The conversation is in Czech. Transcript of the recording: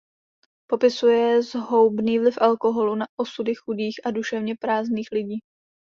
Popisuje zhoubný vliv alkoholu na osudy chudých a duševně prázdných lidí.